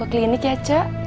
ia buka klinik ya cu